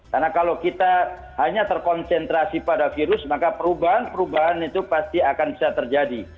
karena kalau kita hanya terkonsentrasi pada virus maka perubahan perubahan itu pasti akan bisa terjadi